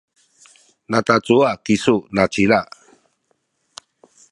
natacuwa kisu nacila?